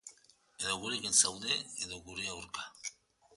Edo gurekin zaude, edo gure aurka.